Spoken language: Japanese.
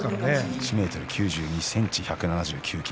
１ｍ９１ｃｍ１７１ｋｇ。